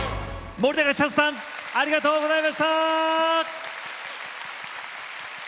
森高千里さんありがとうございました。